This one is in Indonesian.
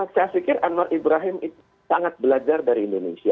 saya pikir anwar ibrahim itu sangat belajar dari indonesia